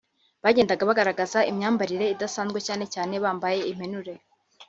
bagenda bagaragaza imyambarire idasanzwe cyane cyane bambaye impenure